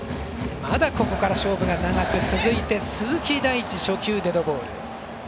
まだここから勝負が長く続いて鈴木大地、初球デッドボール。